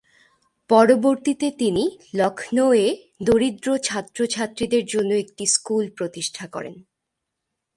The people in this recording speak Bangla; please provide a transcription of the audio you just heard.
পরবর্তীতে তিনি লখনউ এ দরিদ্র ছাত্র-ছাত্রীদের জন্য একটি স্কুল প্রতিষ্ঠা করেন।